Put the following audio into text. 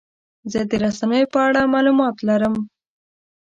زه د رسنیو په اړه معلومات لرم.